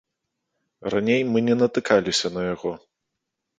Раней мы не натыкаліся на яго.